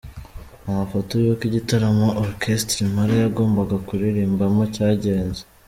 Amafoto y’uko igitaramo Orchestre Impala yagombaga kuririmbamo cyagenze.